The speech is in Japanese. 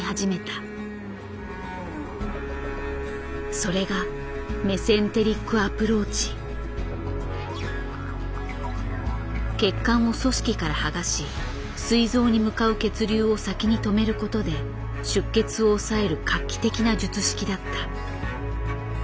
それが血管を組織から剥がしすい臓に向かう血流を先に止めることで出血を抑える画期的な術式だった。